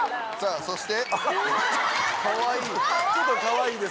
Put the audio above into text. そして。